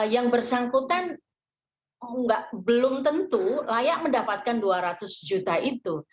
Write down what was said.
yang bersangkutan belum tentu layak mendapatkan dua ratus juta itu